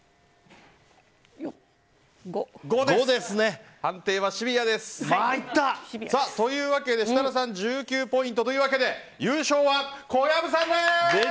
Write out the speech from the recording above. ５！判定はシビアです。というわけで設楽さん１９ポイントで優勝は小籔さんです！